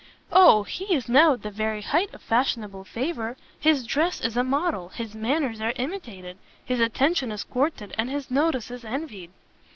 "O, he is now in the very height of fashionable favour: his dress is a model, his manners are imitated, his attention is courted, and his notice is envied."